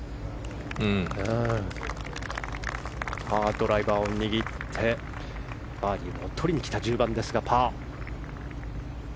ドライバーを握ってバーディーをとりにきた１０番ですがパー。